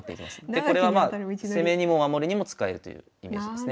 でこれはまあ攻めにも守りにも使えるというイメージですね。